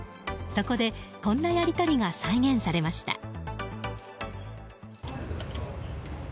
そこで、こんなやり取りが再現されました。